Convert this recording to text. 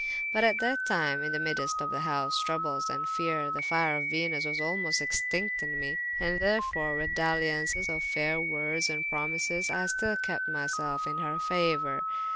But at that tyme, in the myddest of those troubles and feare, the fyre of Venus was almost extincte in mee: and therefore with daliaunce of fayre woordes and promises, I styll kepte my selfe in her fauour.